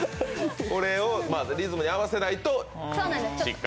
これをリズムに合わせないと失格と。